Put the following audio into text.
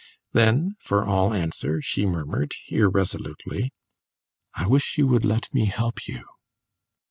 Then, for all answer, she murmured, irresolutely, "I wish you would let me help you!"